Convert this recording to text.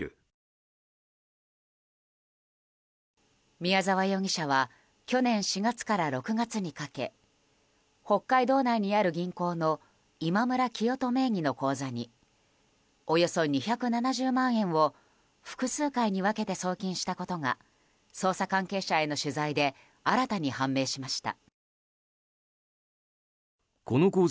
宮沢容疑者は去年４月から６月にかけ北海道内にある銀行のイマムラキヨト名義の口座におよそ２７０万円を複数回に分けて送金したことが捜査関係者への取材で新たに判明しました。